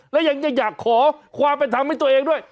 และยังจะอยากขอความเป็นธรรมให้ตัวเองด้วย